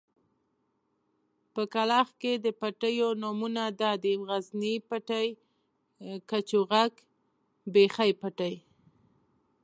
په کلاخ کې د پټيو نومونه دادي: غزني پټی، کچوغک، بېخۍ پټی.